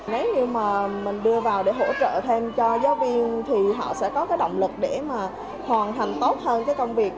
nếu như mà mình đưa vào để hỗ trợ thêm cho giáo viên thì họ sẽ có cái động lực để mà hoàn thành tốt hơn cái công việc